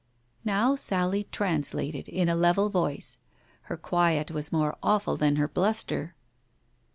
Now Sally translated, in a level voice. Her quiet was more awful than her bluster.